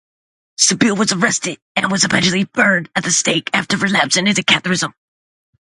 Sybille was arrested, and was eventually burned at the stake after relapsing into Catharism.